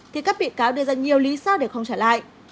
thì các bị cáo đưa ra nhiều lý do để không trả lại